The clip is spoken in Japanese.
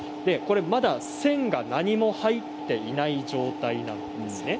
まだ線が何も入っていない状態なんですね。